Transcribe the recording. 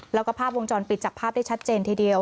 แล้วก็ภาพวงจรปิดจับภาพได้ชัดเจนทีเดียว